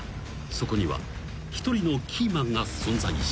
［そこには一人のキーマンが存在した］